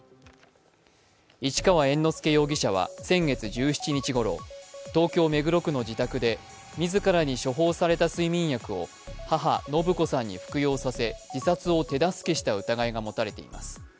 市川猿之助容疑者は先月１７日ごろ東京・目黒区の自宅で自らに処方された睡眠薬を母・延子さんに服用させ、自殺を手助けした疑いが持たれています。